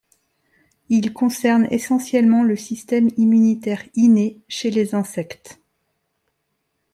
Ils concernent essentiellement le système immunitaire inné chez les insectes.